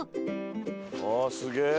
あっすげえ！